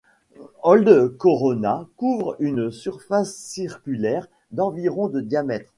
Holde Corona couvre une surface circulaire d'environ de diamètre.